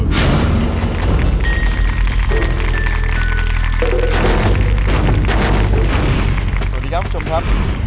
สวัสดีครับคุณผู้ชมครับ